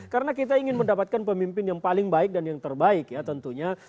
karena kita ingin mendapatkan pemimpin yang paling baik dan yang terbaik ya tentunya